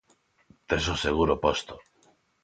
Tes o seguro posto.